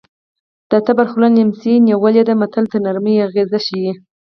د تبر خوله نیمڅي نیولې ده متل د نرمۍ اغېز ښيي